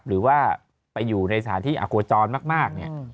หรือว่าไปอยู่ในสถานที่อโคจรมากเนี่ย